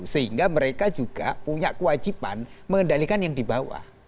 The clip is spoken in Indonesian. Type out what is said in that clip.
sehingga mereka juga punya kewajiban mengendalikan yang di bawah